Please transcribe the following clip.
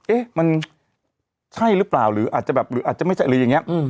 เอ๊ะมันใช่หรือเปล่าหรืออาจจะแบบหรืออาจจะไม่ใช่หรืออย่างนี้